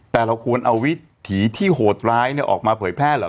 แต่เราควรเอาวิถีที่โหดร้ายออกมาเผยแพร่เหรอ